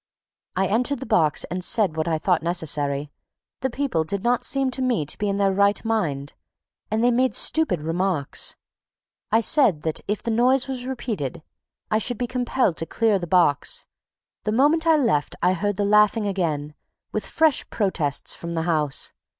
I entered the box and said what I thought necessary. The people did not seem to me to be in their right mind; and they made stupid remarks. I said that, if the noise was repeated, I should be compelled to clear the box. The moment I left, I heard the laughing again, with fresh protests from the house.